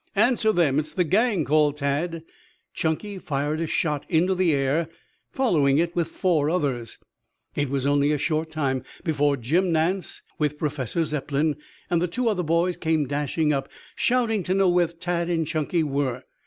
"Answer them. It's the gang," called Tad. Chunky fired a shot into the air, following it with four others. It was only a short time before Jim Nance with Professor Zepplin and the two other boys came dashing up, shouting to know where Tad and Chunky were.